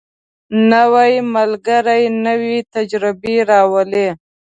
نوی ملګری نوې تجربې راولي